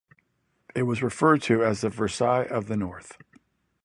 It was referred to as "The Versailles of the North".